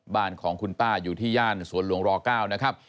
บ้านของคุณป้าอยู่ที่ย่านสวนหลวงร๙นะครับ